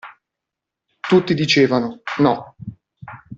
Tutti dicevano: no.